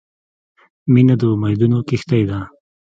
• مینه د امیدونو کښتۍ ده.